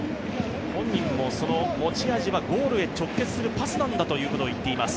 本人も持ち味はゴールへ直結するパスなんだと言っています。